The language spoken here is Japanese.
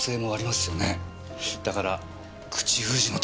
だから口封じのために。